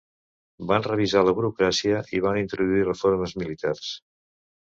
Van revisar la burocràcia i van introduir reformes militars.